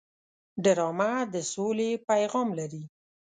ډرامه د سولې پیغام لري